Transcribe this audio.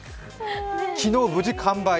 昨日、無事完売。